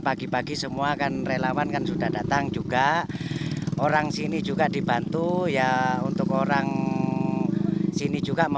pagi pagi semua kan relawan kan sudah datang juga orang sini juga dibantu ya untuk orang sini juga